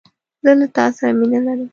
زه له تاسره مینه لرم